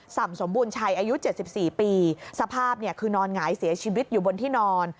่ำสมบูรณชัยอายุ๗๔ปีสภาพเนี่ยคือนอนหงายเสียชีวิตอยู่บนที่นอน